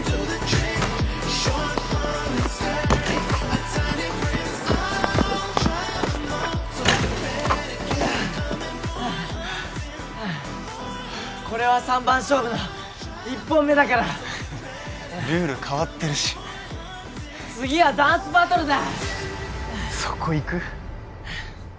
はあああっはあはあこれは三番勝負の一本目だからルール変わってるし次はダンスバトルだそこいく？